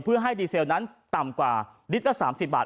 เพื่อให้ดีเซลนั้นต่ำกว่าลิตรละ๓๐บาท